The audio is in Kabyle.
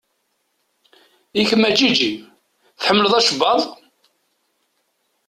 I kemm a Ǧiǧi? Tḥemmleḍ acebbaḍ?